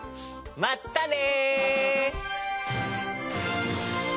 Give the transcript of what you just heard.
まったね！